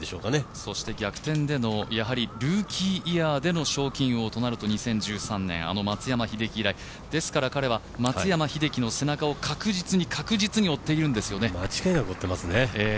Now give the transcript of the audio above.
そして逆転でのルーキーイヤーでの賞金王となると２０１３年、松山英樹以来松山英樹の背中を確実に確実に追ってるんですよね。